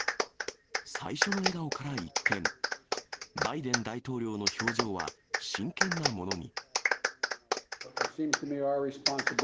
最初の笑顔から一転、バイデン大統領の表情は真剣なものに。